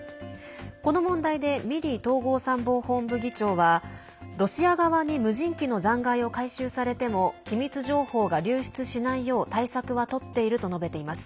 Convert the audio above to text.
この問題でミリー統合参謀本部議長はロシア側に無人機の残骸を回収されても機密情報が流出しないよう対策はとっていると述べています。